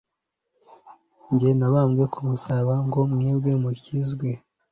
njye nabambwe k'umusaraba ngo mwebwe mukizwe